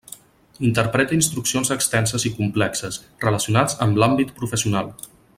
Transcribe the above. Interpreta instruccions extenses i complexes, relacionats amb l'àmbit professional.